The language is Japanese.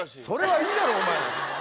それはいいだろお前！